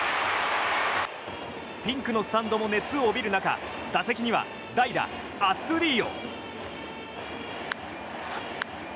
ピンクのスタンドも熱を帯びる中打席には代打アストゥディーヨ。